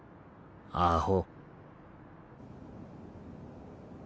アホ。